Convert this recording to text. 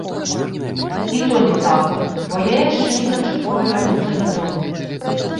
І то не цалкам, бо я яшчэ не канчаткова вярнуўся дадому.